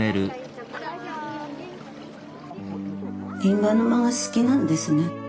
印旛沼が好きなんですね。